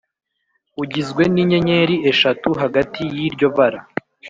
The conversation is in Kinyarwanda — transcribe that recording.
ugizwe n inyenyeri eshatu hagati y iryo bara